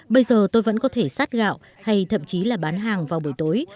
bây giờ tôi vẫn có thể sát gạo hay thậm chí là bán hàng vào buổi tối